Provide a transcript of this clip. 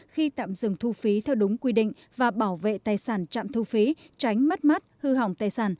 khi tạm dừng thu phí theo đúng quy định và bảo vệ tài sản trạm thu phí tránh mất mát hư hỏng tài sản